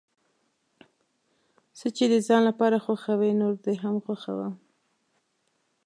څه چې د ځان لپاره خوښوې نورو ته یې هم خوښوه.